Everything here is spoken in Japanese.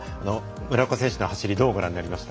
村岡選手の走り